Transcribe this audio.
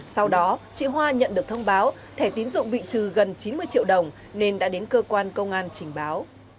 sau đó chị hoa nhận được thông báo thẻ tín dụng bị trừ gần chín mươi triệu đồng nên đã đến cơ quan công an trình báo